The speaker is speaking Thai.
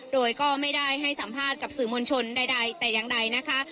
โดยก็ไม่ได้ให้สัมภาษณ์กับสื่อมวลชนใดแต่อย่างใดนะคะ